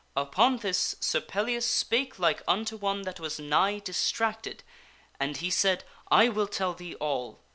Upon this Sir Pellias spake like unto one that was nigh distracted, and he said, " I will tell thee all."